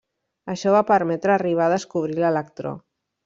Això va permetre arribar a descobrir l'electró.